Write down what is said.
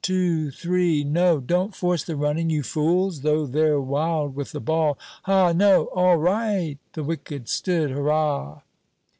Two three. No, don't force the running, you fools! though they 're wild with the ball: ha! no? all right!' The wicket stood. Hurrah!